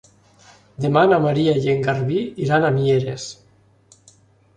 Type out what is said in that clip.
Demà na Maria i en Garbí iran a Mieres.